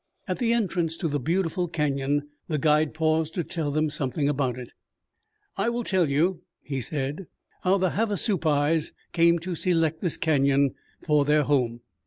At the entrance to the beautiful canyon the guide paused to tell them something about it. "I will tell you," he said, "how the Havasupais came to select this canyon for their home.